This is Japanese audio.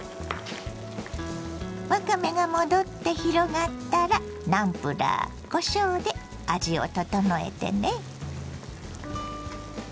わかめが戻って広がったらナムプラーこしょうで味を調えてね。